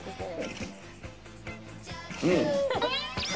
うん。